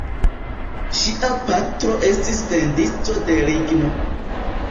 Ŝia patro estis vendisto de ligno.